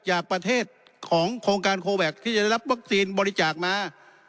จากประเทศของโครงการโคแวคที่จะได้รับวัคซีนบริจาคมา